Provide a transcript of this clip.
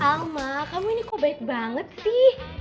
sama kamu ini kok baik banget sih